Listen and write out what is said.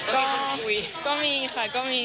ก็มีค่ะก็มี